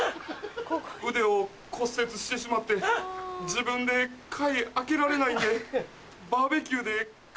腕を骨折してしまって自分で貝開けられないんで。